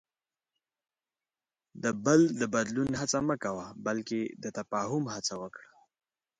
د بل د بدلون هڅه مه کوه، بلکې د تفاهم هڅه وکړه.